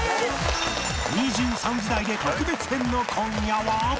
２３時台で特別編の今夜は